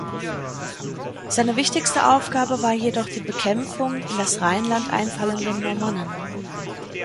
Seine wichtigste Aufgabe war jedoch die Bekämpfung in das Rheinland einfallenden Normannen.